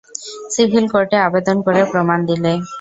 Civil কোর্টে আবেদন করে, প্রমাণ দিলে।